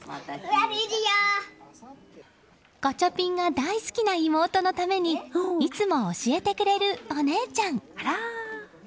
ガチャピンが大好きな妹のためにいつも教えてくれるお姉ちゃん。